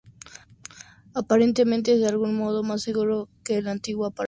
Aparentemente es de algún modo más seguro que el antiguo aparato.